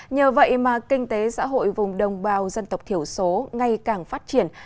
nhờ vậy mà kinh tế xã hội vùng đồng bào dân tộc thiểu số ngay càng phát triển